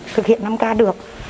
thực hiện năm k được